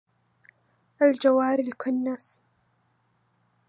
الجَوارِ الكُنَّسِ